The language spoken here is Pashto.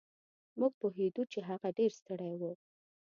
مونږ پوهېدو چې هغه ډېر ستړی و.